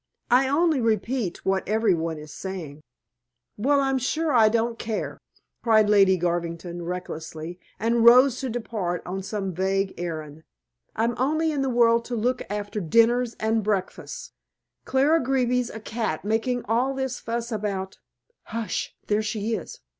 "I only repeat what every one is saying." "Well, I'm sure I don't care," cried Lady Garvington recklessly, and rose to depart on some vague errand. "I'm only in the world to look after dinners and breakfasts. Clara Greeby's a cat making all this fuss about " "Hush! There she is."